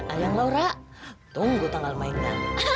ayang laura tunggu tanggal mainnya